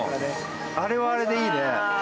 あれはあれでいいね。